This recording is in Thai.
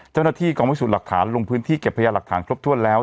เจ้าหน้าที่กองพิสูจน์หลักฐานลงพื้นที่เก็บพยาหลักฐานครบถ้วนแล้ว